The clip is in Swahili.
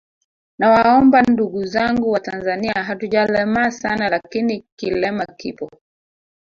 Nawaomba ndugu zangu watanzania hatujalemaa sana lakini kilema kipo